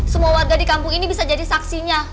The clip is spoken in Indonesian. semua warga di kampung ini bisa jadi saksinya